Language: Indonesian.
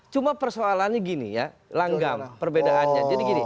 cuma persoalannya gini ya langgam perbedaannya